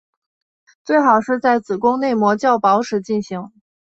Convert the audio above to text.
最好是在子宫内膜较薄时进行。